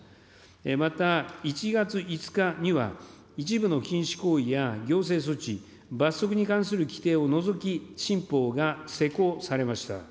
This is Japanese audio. また、１月５日には、一部の禁止行為や行政措置、罰則に関する規定を除き、新法が施行されました。